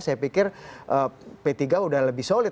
saya pikir p tiga sudah lebih solid